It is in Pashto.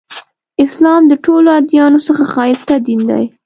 اسلام تر ټولو ادیانو څخه ښایسته دین دی.